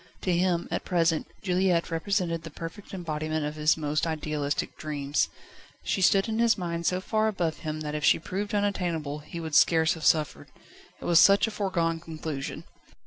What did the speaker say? To him, at present, Juliette represented the perfect embodiment of his most idealistic dreams. She stood in his mind so far above him that if she proved unattainable, he would scarce have suffered. It was such a foregone conclusion.